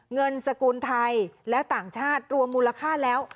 เงินสกุลไทยและต่างชาติรวมมูลค่าแล้ว